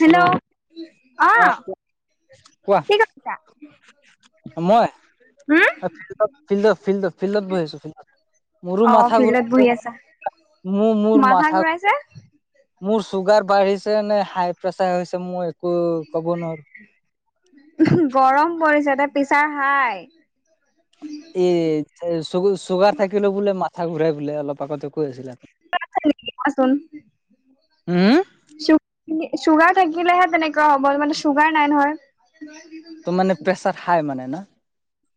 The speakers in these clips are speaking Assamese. হেল্ল'? অ'! কোৱা কৰিছা? মই, উম ফিল্ডত-ফিল্ডত, ফিল্ডত-ফিল্ডত, বহি আছোঁ, তোমাৰ। মোৰো অ মাথা ফিল্ডত ঘূৰাই আছে। বহি আছা মোৰ, মোৰ মাথা [unintelligible] মোৰ চুগাৰ বাঢ়িছে নে, হাই প্ৰেছাৰ হৈছে? মই একো ক'ব নোৱাৰো [unintelligible] গৰম পৰিছে দে, প্ৰেছাৰ হাই। ইয়ে, চুগ, চুগাৰ থাকিলও বোলে, মাথা ঘূৰাই বোলে, অলপ আগতে কৈ আছিলা। [unintelligible] কোৱাচোন? উম! চু, চুগাৰ থাকিলেহে তেনেকুৱা হ'ব। মানে, চুগাৰ নাই নহয়। তো মানে, প্ৰেছাৰ হাই মানে ন'?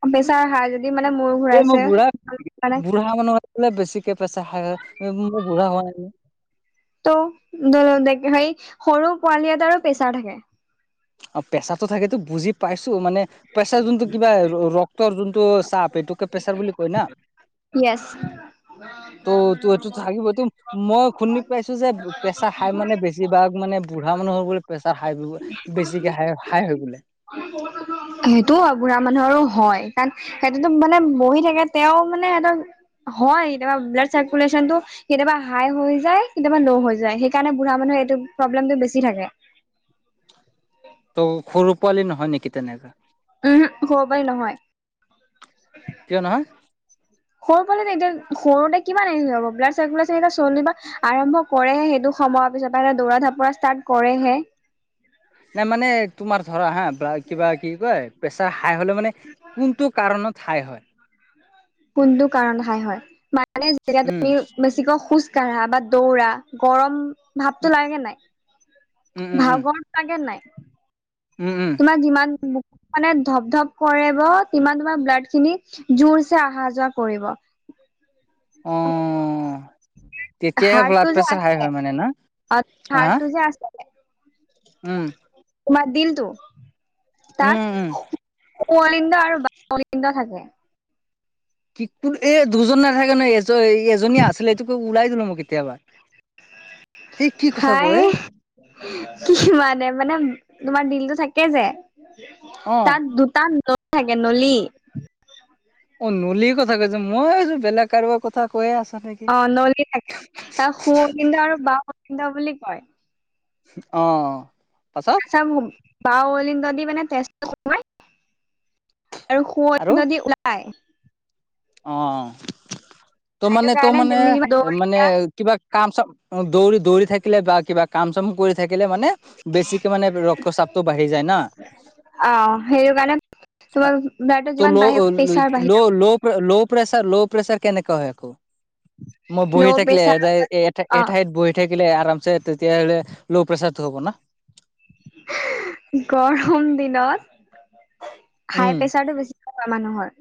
প্ৰেছাৰ হাই যদি মানে, মূৰ এই মই ঘূৰাইছে। বুঢ়া মানে, বুঢ়া মানুহৰ বোলে, বেছিকে প্ৰেছাৰ হাই হয়। মই বুঢ়া হোৱা নাই, নহয়। ত' ধৰি ল', সেই, সৰু পোৱালি এটাৰো প্ৰেছাৰ থাকে। অ'! প্ৰেছাৰতো থাকেতো, বুজি পাইছোঁ! মানে, প্ৰেছাৰ যোনটো, কিবা ৰক্তৰ যোনটো চাপ, এইটোকে প্ৰেছাৰ বুলি কয় না? য়েছ। ত' এইটো থাকিবতো, মই শুনি পাইছোঁ যে, প্ৰেছাৰ হাই মানে, বেছি বেছিভাগ মানে, বুঢ়া মানুহৰ বোলে, প্ৰেছাৰ হাই [unintelligible] বেছিকে, হাই-হাই হৈ বোলে। সেইটোও হয়! বুঢ়া মানুহৰো হয়। কাৰণ সেইটোতো মানে, বহি থাকে। তেওঁ মানে, এটা, হয়! কেতিয়াবা ব্লাড চাৰ্কুলেশ্যনটো। কেতিয়াবা, হাই হৈ যায়, কেতিয়াবা ল' হৈ যায়। সেইকাৰণে, বুঢ়া মানুহে, এইটো প্ৰব্লেমটো, বেছি থাকে। ত' সৰু পোৱালি নহয়, নেকি তেনেকা? ওহোঁ! সৰু পোৱালি নহয়। কিয় নহয়? সৰু পোৱালি এতিয়া, সৰুতে কিমান ব্লাড চাৰ্কুলেশ্যন এতিয়া, চলিবা। আৰম্ভ কৰেহে, সেইটো সময়ৰ পিছৰ পৰা। দৌৰা, ঢাপৰা ষ্টাৰ্ট কৰেহে। তাৰ মানে তোমাৰ ধৰা হা কিবা কি কয় প্ৰেছাৰ হাই হ'লে মানে কোনটো কাৰণত? হাই হয়। কোনটো কাৰণ হাই হয়? মানে যেতিয়া উম তুমি বেছিকৈ খোজ কাঢ়া, বা দৌৰা গৰম ভাৱটো লাগে নাই? উম উম উম ভাগৰটো লাগে নাই? উম, উম। তোমাৰ যিমান বু মানে ধপ, ধপ কৰেব তিমান তোমাৰ ব্লাড খিনি জোৰচে অহা যোৱা কৰিব। [inaudible] অ'। তেতিয়াই হাৰ্টটো ব্লাড যে প্ৰেছাৰ হাই আছে হয় মানে ন হা, হা। হাৰ্টটো যে আছে উম। তোমাৰ দিলটো উম উম তাত সোৱলিনড আৰু বালিনড থাকে। পিকটুৰ এই দুজন নাথাকে নয় এয [unintelligible] এজনী আছিলে এইটোকে ওলাই দিলো মোক কেতিয়াবা, সেই কি কথা হাই কয়ে। কি মানে, মানে তোমাৰ দিলটো থাকে যে অ তাত দুটা নলী থাকে নলী। অ', নলীৰ কথা কৈছা মই ভাবিছো বেলেগ কাৰোবাৰ কথা কৈয়ে আছ নেকি। অ', নলী থাকে তাক সু অগন্দ আৰু বাহ অগন্দ বুলি কয়। অ', পাছত। চব বাওঁ অলিণ্ড যদি মানে তেজোমাই [unintelligible] আৰু সো অলিণ্ড দি ওলাই। অ', তো সেইটো মানে তো কাৰণে মানে তুমি ম মানে দৌৰিলা কিবা কাম চ দৌৰি দৌৰি থাকিলে বা কিবা কাম চাম কৰি থাকিলে মানে বেছিকে মানে ৰক্তচাপটো বাঢ়ি যায় না। অ', সেইটো কাৰণে তোমাৰ ব্লাডত যিমান বাঢ়িব লো, প্ৰেছাৰ বাঢ়ি লো, যাব লো। ল' প্ৰেছাৰ ল' প্ৰেছাৰ কেনেকা হয় আকৌ মই বহি ল' থাকিলে এ প্ৰেছাৰ অ', এ ঠাইত বহি থাকিলে আৰামছে তেতিয়াহলে ল' প্ৰেচাৰতটো হ'ব না। গৰম দিনত হাই উম প্ৰেচাৰটো বেছি মানুহৰ।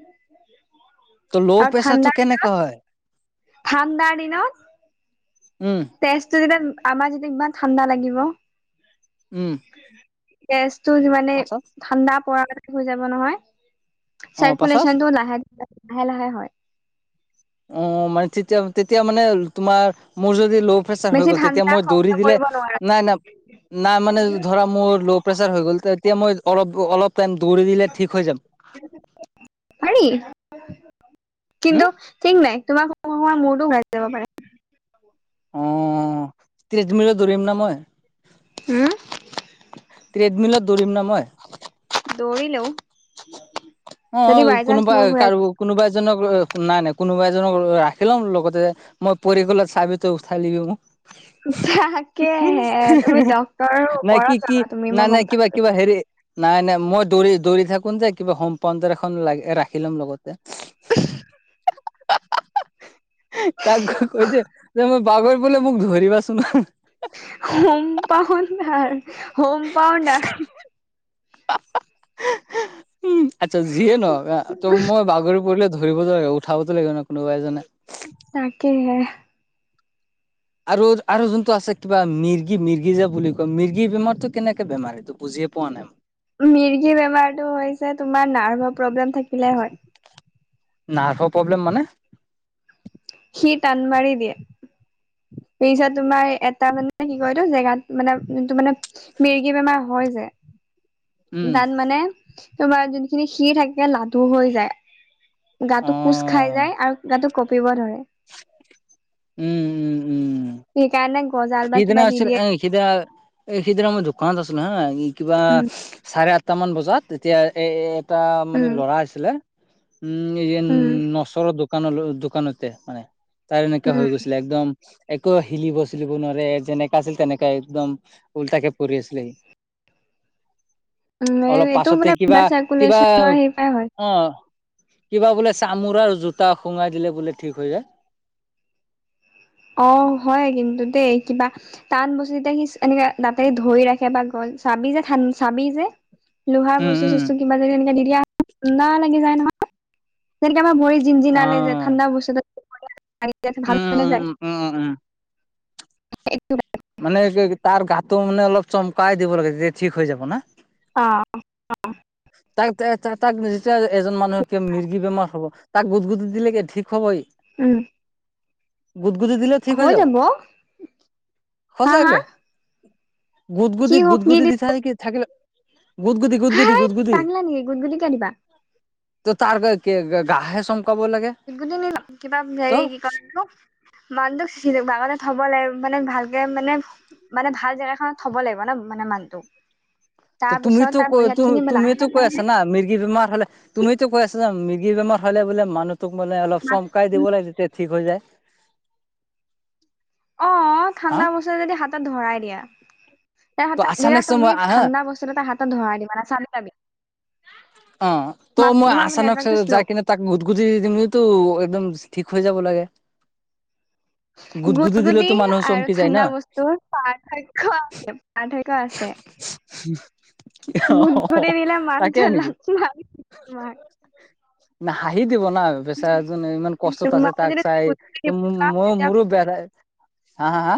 তো ল' প্ৰেছাৰটো কেনেকা হয়? ঠাণ্ডা দিনত উম। তেজটো যেতিয়া আমাৰ যেতিয়া ইমান ঠাণ্ডা লাগিব উম। গেছটো যিমানে পাছত ঠাণ্ডা পৰি হৈ যাব নহয় অ পাছত চাৰ্কুলেশ্যন টো লাহে, লাহে, লাহে হয় অ', মানে তেতিয়া, তেতিয়া মানে তোমাৰ মোৰ যদি ল' প্ৰেচাৰ হৈ বেছি গ'ল তেতিয়া ঠাণ্ডা মই সহ্য দৌৰি দিলে কৰিব নোৱাৰা নাই নাই নাই মানে ধৰা মোৰ ল' প্ৰেছাৰ হৈ গ'ল এতিয়া মই অলপ অলপ টাইম দৌৰি দিলে ঠিক হৈ যাব। পাৰি হম কিন্তু ঠিক নাই তোমাৰ মোৱা মূৰতো ঘূৰাই যাব পাৰে। অ', ত্ৰিশ দিনিটলৈ দৌৰিম না মই। হম। ট্ৰেডমিলত দৌৰিম না মই। দৌৰিলেও যদি অ', বাই চান্স কোনোবা মূৰ ঘূৰাই কাৰো কোনোবা এজনক নাই নাই কোনোবা এজনক ৰাখি লম লগতে মই পৰি গলত চাবি তো উঠাই লিবি তাকেহে তুমি ডক্তৰৰ নাই ওপৰত কি, যাবা কি তুমি মই ন গম নাই কিবা, পাইছো। কিবা হেৰি নাই নাই, মই দৌৰি দৌৰি থাকোন যে কিবা হোম পাউণ্টাৰ এখন লগত ৰাখি ল'ম লগতে। তাক কৈ যে মই পাগৰি গলে মোক ধৰিবাচোন। Home pounder home pounder. [unintelligible] উম, আচ্ছা যিয়ে নহ'ক ত' মই বাগৰি পৰিলে ধৰিব লাগিব, উঠাব তো লাগিব ন' কোনোবা এজনে। তাকে। আৰু আৰু যোনটো আছে কিবা মিৰ্গি মিৰ্গি যে বুলি কয় মিৰ্গী বেমাৰটো কেনেকে বেমাৰ এইটো বুজিয়ে পোৱা নাই। মিৰ্গি বেমাৰটো হৈছে তোমাৰ নাৰ্ভৰ প্ৰব্লেম থাকিলে হয়। নাৰ্ভৰ প্ৰব্লেম মানে? সি টান মাৰি দিয়ে। সেই পিছত তোমাৰ এটা মানে কি কয়তো জেগাত মানে ত' মানে মিৰ্গী বেমাৰ হয় যে উম, তাত মানে তোমাৰ যোনখিনি সি থাকে লাডু হৈ যায়, গাটো কোচ খাই অ', যায় আৰু গাটো কঁপিব ধৰে। উম, উম। উম। সেইকাৰণে গজাল বা সিদিনা কিবা দি আছিল দিয়ে। এ সিদিনা এই সিদিনা মই দোকানত আছিলো হা, কিবা উম চাৰে আঠ টামান বজাত এতিয়া এ, এটা মানে উম ল'ৰা আছিলে উম, এই যে উম নচৰৰ দোকান দোকানতে মানে। তাৰ এনেককাে উম হৈ গৈছিলে, একদম একো চিলিব গুণৰে যেনেকা আছিল তেনেকাে একদম উল্টাকে পৰি আছিলে সি। উম, অলপ এইটো পাছতে মানে কিবা, ব্লাড কিবা চাৰ্কুলেশ্যনৰ হেৰি পৰাই হয়। অ' কিবা বোলে চামোৰাৰ জোতা সোঙাই দিলে বোলে ঠিক হৈ যায়। অ' হয় কিন্তু দেই কিবা টান বস্তু সি এনেকে দাতে ধৰি ৰাখে বা গল চাবি যোন চাবি যে লোহাৰ উম বস্তু উম চস্তু কিবা যদি এনেকা দি দিয়া ঠাণ্ডা লাগি যায় নহয়। যেনেকে আমাৰ ভৰি জিন অ জিনালে যে ঠাণ্ডা বস্তু ভাল উম হৈ উম নাযায়। উম, উ। [unintelligible] মানে কি তাৰ গাটো মানে অলপ চমকাই দিব লাগে তেতিয়া ঠিক হৈ যাব না? অ', অ'। তাক তাক যেতিয়া এজন মানুহে কিয় মিৰ্গী বেমাৰ হ'ব? তাক গুদগুদ দিলে কি ঠিক হ'ব ই? উম। গুদ গুদ দিলেও ঠিক হৈ যাব? হা হা সচাকে? কি গুদগুদি হওক গুদ কি গুদি দি কি থাকিলে গুদগুতি গুদগুতি হাই গুদগুতি। পাগলা নেকি গুটগুটি কিয় দিবা ত' তাৰ গাহে চমকাব লাগে। গুদগতি কিবা ত হেৰি কি কয় এইটো মানুহটোক বাগতে থ'ব লাগে মানে ভালকে মানে মানে ভাল জেগাখনত থ'ব লাগিব ন' মানে মানুহটোক। তাৰ পিছত তুমিতো তাৰ কৈ ভৰি হাত খিনি লাহে তুমিতো কৈ লাহে আছা না মিৰ্গী বেমাৰ হ'লে তুমিতো কৈ আছা যে মিৰ্গী বেমাৰ হ'লে বোলে মানুহটোক মানে অলপ চমকাই দিব লাগে তেতিয়া ঠিক হৈ যায়। অ' হা ঠাণ্ডা বস্তু যদি হাতত ধৰাই দিয়া ত আচানক চ তুমি মই আহা ঠাণ্ডা বস্তু আচলতে হাতত ধৰাই দিবাে চালি যাবি অ' মাত ত' মই তোমাৰ আচানক নেটৱৰ্কটো শ্ল' যাই কিনে তাক গুটগতি দিম একদম ঠিক হৈ যাব লাগে। গুদগুদি দিলেতো মানুহ আৰু চমকি যায় ন ঠাণ্ডা বস্তুৰ পাৰ্থক্য আছে, পাৰ্থক্যয় আছে। অ' গুদগুদি দিলে তাকে মানুহটোৱে নেকি? লাত মাৰি তোমাৰ হাঁহি দিব না। বেচাৰা জনে ইমান কষ্টত আছে, তোমাক তাক যদি চাই, গুদগুদি দিব ত যাওঁ মই তেতিয়া মোৰো বে হা হা হা?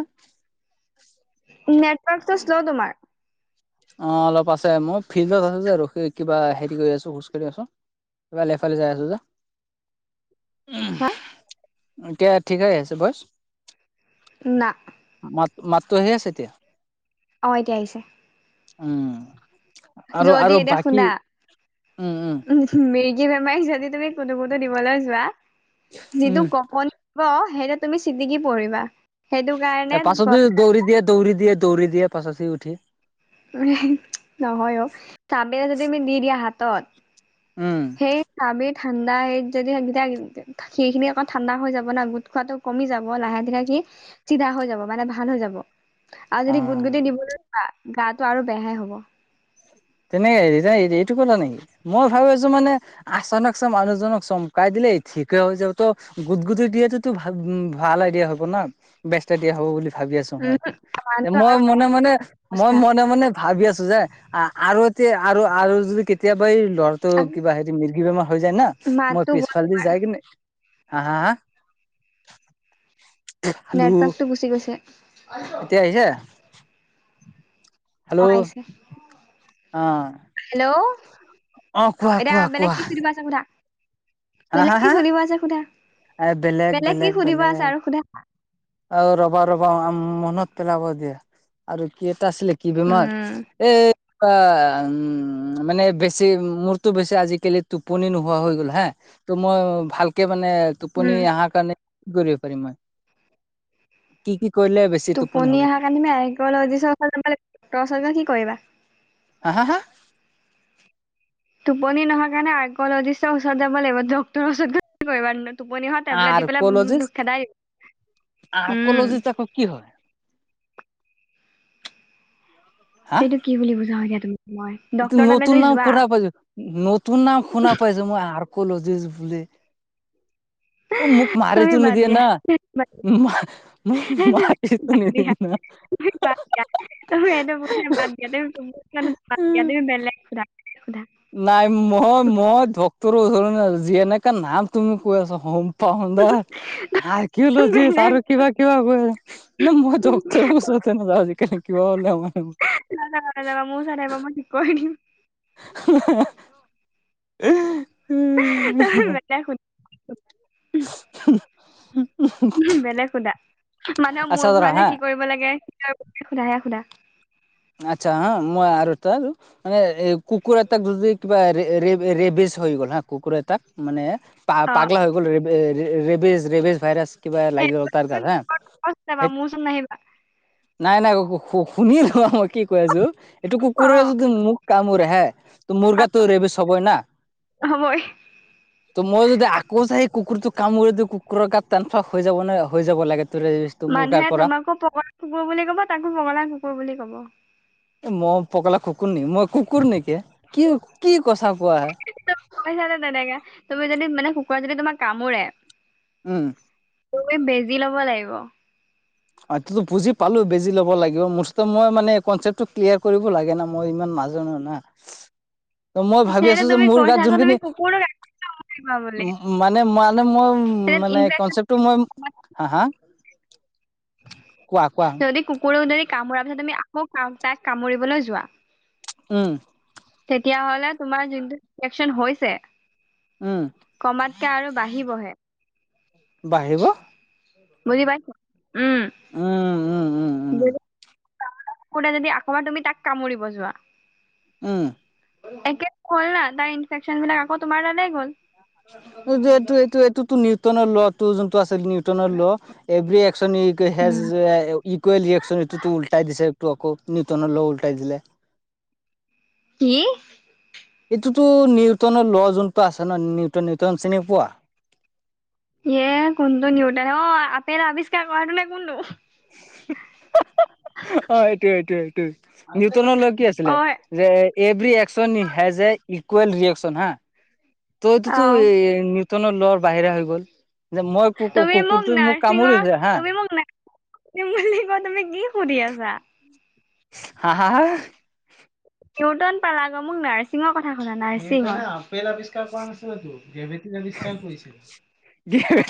নেটৱৰ্কটো শ্ল' তোমাৰ। অ' অলপ আছে, মই ফিল্ডত আছো যে, আৰু কিবা হেৰি কৰি আছো খোজ কাঢ়ি আছো। বাল এফালে যাই আছো। [inaudible] উ এতিয়া ঠিকেই আছে বছ। না। মাত মাত টো আহি আছে এতিয়া? অ' এতিয়া আহিছে। উম, আৰু যদি আৰু বাকী উম উম উ মিৰ্গী বেমাৰীক যদি তুমি কুতো কুটো দিবলৈ যোৱা। যিটো উম কপনি দিব, সেইটো তুমি চিটিকি পৰিবা, সেইটো কাৰণে পাছতো গছ দৌৰি দিয় দৌৰি দিয়ে, দৌৰি দিয়ে পাছি উঠি। উ নহয় অ', কাপে যদি তুমি দি দিয়া হাতত, উম সেই আমি ঠাণ্ডা হত যদি এতিয়া সেইখিনি আকৌ ঠাণ্ডা হৈ যাব না গোট খোৱাটো কমি যাব, লাহে ধাহে সি চিধা হৈ যাব মানে ভাল হৈ যাব। আৰু যদি গুট অ গুট দিবলৈ জোৱা, গাটো আৰু বেয়াহে হ'ব। তেনেকে হেৰি এইটো ক'লা নেকি, মই ভাবো আছো মানে আচানকছে মানুহজনক চমকাই দিলেই, ঠিকে হৈ যাব তো গোট গুট দিয়েতো টো ভাল উ ভাল আইদিয়া হ'ব ন, বেষ্ট আইদিয়া হ'ব বুলি ভাবি আছো হয়, উম আকৌ যে মানুহটো মই আৰু বেয়া মনে মনে মই অৱস্থা মনে মনে ভাবি আছো, যে আ আৰু এতিয়া আৰু আৰু যদি কেতিয়াবা এই লৰ তো আ- কিবা হেৰি মৰ্গী বেমাৰ হৈ যায় না, মই মাতটো গ'ল পিছফালে দি তোমাৰ যাই কিনে হা হা হা? হেল্ল' নেটৱ্কটো গুচি গৈছে। এতিয়া আহিছে? হেল্ল' অ' আহিছে, অ হেল্ল' অ কোৱা এতিয়া কোৱা বেলেগ কোৱা কি চু [unintelligible] আছা সোধা। হা বেলেগ হা কি হা সুধিব আছে সোধা, বেলেগ কি সুধিব আছে আৰু সুধা। আৰু ৰবা ৰবা আম মনত পেলাব দিয়া। আৰু কি এটা আছিলে কি বেমাৰ, উম এই অ' উম মানে বেছি মোৰতো বেছি আজিকালি টোপনি নোহোৱা হৈ গ'ল হা। ত' মই ভালকে মানে টোপনি উম অহাৰ কাৰণে কৰিব পাৰিম মই, কি কি কৰিলে বেছি টোপনি অহাৰ কাৰণে আৰ্কলজিষ্টৰ ওচৰত, ডৰ ওচৰত কি কৰিবা। হা হা হা? টোপনি নহয় কাৰণে আৰ্কলজিষ্টৰ ওচৰত যাব লাগিব, ডক্তটৰ ওচৰত কি কৰিবা? টোপনি অহা টেবলেট দি পেলাই ধ আৰ্কলজিষ্ট তোক, খেদাই দ উম, আৰ্কলজিষ্ট তোক আকৌ কি হয়? হা এইটো কি বুলি বুজা হয় দিয়া তুমি মই এইটো ডক্টৰ তালৈ নতুন যদি নাম যোৱা শুনা পাইছো, নতুন নাম শুনা পাইছো মই আৰ্কলজিষ্ট বুলি। অ মোক তুমি মাৰিতো বাদ নিদিয়ে দিয়া, না বাদ, দা মা মোক [unintelligible] স মাৰিতো বাদ নিদিয়ে দিয়া। ব দিয়া তুমি এইটো বে বাদ দিয়া, তুমি তম বাদ না দিয়া তুমি বেলেগু সোধা। নাই মই, মই ডক্তৰৰ ওচৰছো নাযাও যেনেকাে নাম তুমি কৈ আছা, হম। [unintelligible] আৰ্কলজিষ্টৰ বেলেগ আৰু কিবা কিবা কৈ আছা। ন মই ডক্তৰ ওচৰতে নাযাওঁ যেখণ কিবা হলে মোৰ। না-না-নাযাবা মোৰ ওচত আহিবা মই ঠিক কৰি দিম। [inaudible] [unintelligible] [inaudible] বেলেগ সোদা, মানুহক আচ্ছা মোৰ ধৰা ঘূৰালে হা কি কৰিব লাগে [unintelligible] সোধা হেয়া সোধা। আচ্ছা হা মই আৰু তাৰ মানে এ কুকুৰ এটাক যদি কিবা ৰে-ৰে-ৰেবিচ হৈ গ'ল হা, কুকুৰ এটাক মানে পা-পাগলা হৈ গ'ল ৰেব-ৰে-ৰেবিজ, ৰেবিজ ভাইৰাছ কিবা লাগি গ'ল তাৰ গাত হা, অ যাবা হে মোৰ ওচৰত নাহিবা নাই নাই [unintelligible] শু-শুনিলো [unintelligible] কৈ আজো, এটো কুকুৰে অ যদি মোক কামুৰে হে ত' মোৰ গাতো ৰেবিজ হ'বই না। হ'বই। ত' মই যদি আকৌ যাই কুকুৰটোক কামুৰি দিওঁ, কুকুৰৰ গাত টানফা হৈ যাব নে? হৈ যাব লাগে [unintelligible] মানুহে পৰা তোমাকো [unintelligible] কুকুৰ বুলি ক'ব, তাকো পগলা কুকুৰ বুলি ক'ব। এ ম পগলা কুকুৰ নেকি, মই কুকুৰ নেকি? কি, কি কচা কোৱা হে। কৈছা যে তেনেকে। তুমি যদি মানে কুকুৱে যদি তোমাক কামুৰে উ। উই বেজি ল'ব লাইব। অ' এটোতো বুজি পালোঁ বেজি ল'ব লাগিব। মুঠতে মই মানে কনচেপ্টটো ক্লিয়াৰ কৰিব লাগে না মই ইমান মাজ জনো না। [inaudible] ত' মই ভাবি সেইটো আছোঁ যে, তুমি মোৰ কৈছা গাত আকৌ তুমি জোনখিনি কুকুৰটোক আকৌ কামুৰিবা বুলি মানে-মানে মই তেতিয়া মানে ইনফেকচন কনচেপ্টো মই, হা হা? কোৱা কোৱা যদি কুকুৰ যদি কামুৰা পিছত তুমি আকৌ তা-তাক কামুৰিবলৈ যোৱা উ। তেতিয়া হ'লে তোমাৰ জিনটোত [unintelligible] হৈছে। উ। কমাতকে আৰু বাঢ়িবহে। বাঢ়িব? বুজি পাইছ, উ। উ। [unintelligible] শুনে যদি আকৌ বাৰ তুমি তাক কামুৰিব যোৱা। উ। একে অল না তাৰ ইনফেক্যনবিলাক আকৌ তোমাৰ তালেই গ'ল। [unintelligible] এইটো, এইটো, এইটো তোৰ নিউটনৰ ল' তো জোনটো আছিল নিউটনৰ law. Every action [unintelligible] has um, a equal reaction এইটোতো উল্টাই দিছে, এটো আকৌ নিউটনৰ ল' উল্টাই দিলে। কি? এটোতো নিউটনৰ ল' জোনটো আছে ন, নিউটন, নিউটন চিনি পোৱা? ইয়ে কোনটো নিউটন অ', আপেল আৱিষ্কাৰ কৰাটো নে কোনটো? অ' এইটো, এইটো, এইটো। নিউটনৰ ল' কি অ আছিলে? যে every action has a equal reaction হা। ত' অ এটোতো এ নিউতনৰ ল'ৰ বাহিৰা হৈ গ'ল। যে মই তুমি কু-কু-কু-কুৰটোৱে মোক নাৰ্ছিঙৰ কামুৰিজে হা। তুমি মোক [unintelligible] তুমি কি সুধি আছা? হা হা হা? নিউটন পালাগৈ, মোক নাৰ্ছিঙৰ কথা শুনা নাৰ্ছিঙৰ। নিউটনে আপেল আৱিষ্কাৰ কৱা নাছিলেটো, গ্ৰেভি তি আৱিষ্কাৰ কৰিছিল।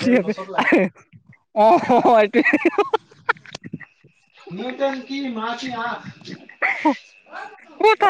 কি গছত লাগি [inaudible] অ' হ হ এইটোৱে। নিউটন কি [unintelligible] [inaudible]